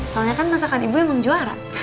soalnya kan masakan ibu emang juara